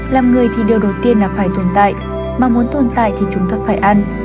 làm người thì điều đầu tiên là phải tồn tại mà muốn tồn tại thì chúng ta phải ăn